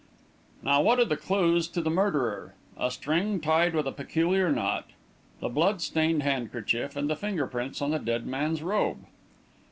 "Now, what are the clues to the murderer? A string tied with a peculiar knot, the blood stained handkerchief, and the finger prints on the dead man's robe."